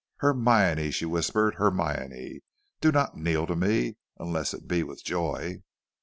"Hermione!" she whispered, "Hermione! do not kneel to me, unless it be with joy."